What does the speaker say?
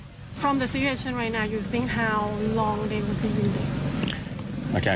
ก็ไม่รแล้ว